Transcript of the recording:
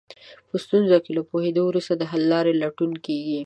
په ستونزه له پوهېدو وروسته د حل لارې لټون کېږي.